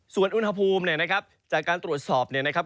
ส่วนอุณหภูมิเนี่ยนะครับจากการตรวจสอบเนี่ยนะครับ